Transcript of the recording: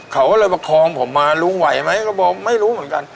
เขาก็เลยประคองผมมาลุงไหวไหมก็บอกไม่รู้เหมือนกัน